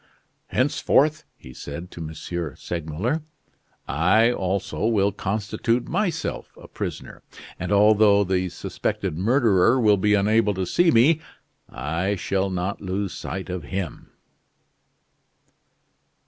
"Henceforth," he said to M. Segmuller, "I also will constitute myself a prisoner; and although the suspected murderer will be unable to see me, I shall not lose sight of him!"